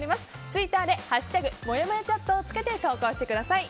ツイッターで「＃もやもやチャット」をつけて投稿してください。